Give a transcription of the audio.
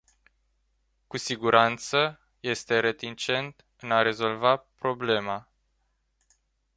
Cu siguranță este reticent în a rezolva problema.